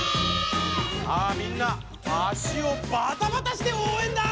さあみんな足をバタバタしておうえんだ！